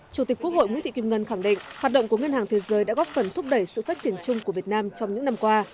chủ tịch quốc hội nguyễn thị kim ngân khẳng định hoạt động của ngân hàng thế giới đã góp phần thúc đẩy sự phát triển chung của việt nam trong những năm qua